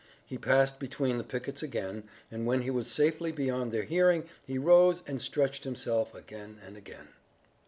He passed between the pickets again, and, when he was safely beyond their hearing, he rose and stretched himself again and again.